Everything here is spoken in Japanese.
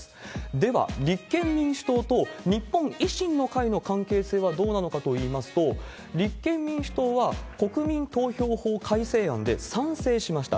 では、立憲民主党と日本維新の会の関係性はどうなのかといいますと、立憲民主党は、国民投票法改正案で賛成しました。